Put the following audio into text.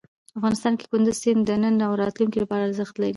افغانستان کې کندز سیند د نن او راتلونکي لپاره ارزښت لري.